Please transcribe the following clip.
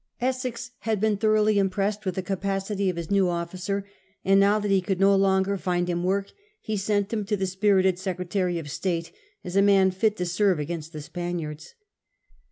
Essex had been thoroughly impressed with the capacity of his new officer, and now that he could no longer find him work he sent him to the spirited Secretary of State as a man fit to serve against the Spaniards.